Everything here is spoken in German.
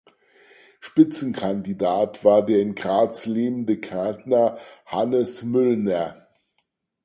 Spitzenkandidat war der in Graz lebende Kärntner Hannes Müllner.